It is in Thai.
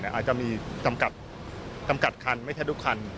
อาจจะมีจำกัดคันไม่ใช่ทุกคัน